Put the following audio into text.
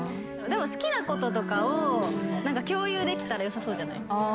好きなこととかを共有できたらよさそうじゃない？